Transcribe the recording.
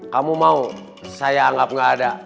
kamu mau saya anggap nggak ada